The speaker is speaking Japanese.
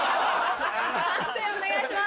判定お願いします。